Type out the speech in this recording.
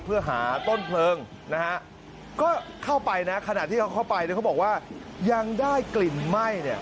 เพื่อหาต้นเพลิงนะฮะก็เข้าไปนะขณะที่เขาเข้าไปเนี่ยเขาบอกว่ายังได้กลิ่นไหม้เนี่ย